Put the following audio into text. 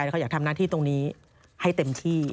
แล้วเขาอยากทำหน้าที่ตรงนี้ให้เต็มที่